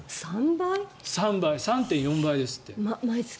３．４倍ですって。